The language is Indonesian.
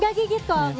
gak gigit kok aku